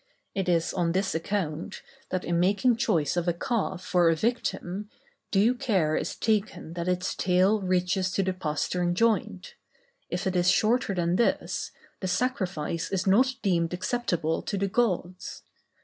It is on this account, that in making choice of a calf for a victim, due care is taken that its tail reaches to the pastern joint; if it is shorter than this, the sacrifice is not deemed acceptable to the gods.